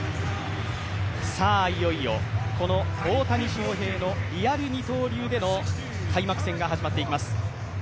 いよいよこの大谷翔平のリアル二刀流での開幕戦が始まっていきます。